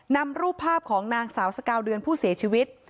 นำรูปภาพของนางสาวสกาวเดือนผู้เสียชีวิต